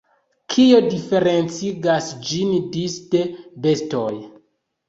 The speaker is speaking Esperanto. Kio diferencigas ĝin disde bestoj?